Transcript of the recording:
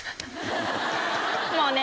もうね